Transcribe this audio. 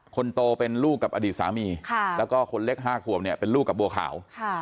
คนโตเป็นลูกกับอดีตสามีแล้วก็คนเล็ก๕ขวบเนี่ยเป็นลูกกับบัวขาว